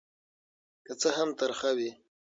که څه هم ترخه وي.